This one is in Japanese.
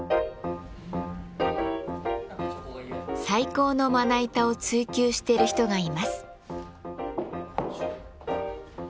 最高のまな板を追求している人がいます。